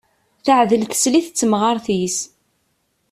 Teɛdel teslit d temɣart-is.